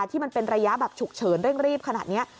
ที่เป็นระยะแบบฉุกเฉินเร่งรีบขนาดนี้